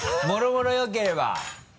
もろもろよければ。